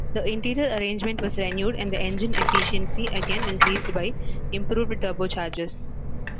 The interior arrangement was renewed and the engine efficiency again increased by improved turbochargers.